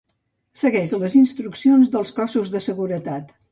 Segueix les instruccions dels cossos de seguretat.